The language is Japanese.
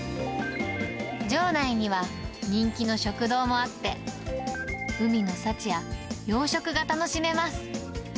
場内には、人気の食堂もあって、海の幸や洋食が楽しめます。